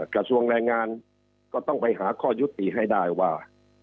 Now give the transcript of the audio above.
กระทรวงแรงงานก็ต้องไปหาข้อยุติให้ได้ว่า